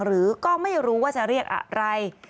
หรือก็ไม่รู้ว่าจะเรียกอะไร